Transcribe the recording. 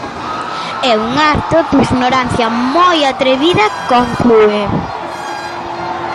"É un acto de ignorancia moi atrevida", conclúe.